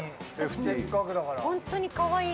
せっかくだから。